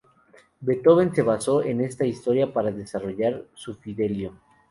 Beethoven se basó en esta historia para desarrollar su "Fidelio".